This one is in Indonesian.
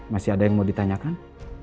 masih ada yang mau ditanyakan